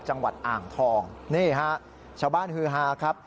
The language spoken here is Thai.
จังหวัดอ่างทองนี่ฮะชาวบ้านฮือฮาครับ